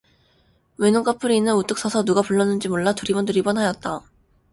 외눈까풀이는 우뚝 서서 누가 불렀는지 몰라 두리번두리번하였다.